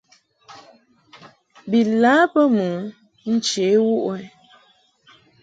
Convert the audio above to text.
Bi lâ bə mɨ nche wuʼ ɛ ?